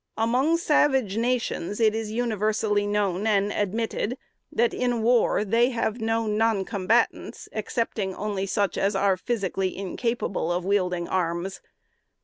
"Among savage nations, it is universally known and admitted, that in war they have no non combatants, excepting only such as are physically incapable of wielding arms.